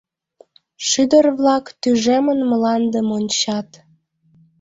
Шӱдыр-влак тӱжемын мландым ончат.